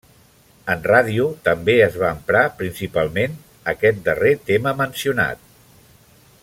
En ràdio, també es va emprar principalment aquest darrer tema mencionat.